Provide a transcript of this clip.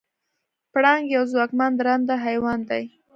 پړانګ یو ځواکمن درنده حیوان دی.